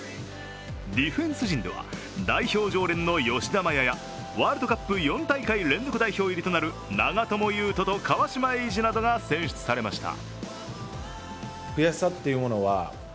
ディフェンス陣では代表常連の吉田麻也やワールドカップ４大会連続代表入りとなる長友佑都と川島永嗣などが選出されました。